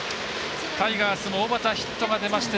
タイガースの小幡ヒットが出まして